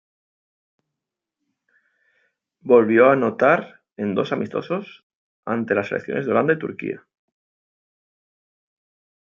Volvió a anotar en dos amistosos ante las selecciones de Holanda y Turquía.